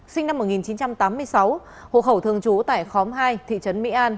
sinh năm một nghìn chín trăm tám mươi sáu hộ khẩu thường trú tại khóm hai thị trấn mỹ an